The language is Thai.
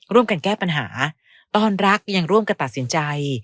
ร่วมกันแก้ปัญหาตอนรักยังร่วมกันตัดสินใจ